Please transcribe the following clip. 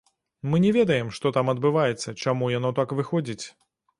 Мы не ведаем, што там адбываецца, чаму яно так выходзіць.